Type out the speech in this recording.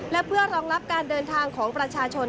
และเพื่อรองรับการเดินทางของประชาชน